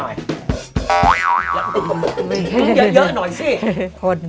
เยอะหน่อยสิ